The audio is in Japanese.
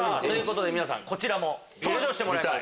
皆さんこちらも登場してもらいます。